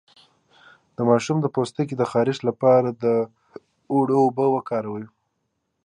د ماشوم د پوستکي د خارښ لپاره د اوړو اوبه وکاروئ